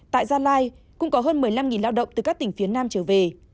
tại gia lai cũng có hơn một mươi năm lao động từ các tỉnh phía nam trở về